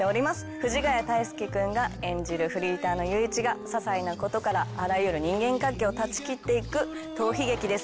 藤ヶ谷太輔君が演じるフリーターの裕一がささいなことからあらゆる人間関係を断ち切っていく逃避劇です。